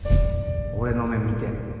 俺の目見てよ。